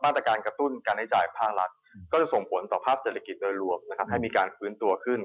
แม้นอนครับวิธีจะส่งผลต่อภาพเศรษฐกิจโดยรวมให้มีการล้วนขึ้นตัวขึ้น